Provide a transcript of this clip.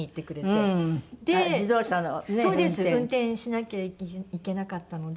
運転しなきゃいけなかったので。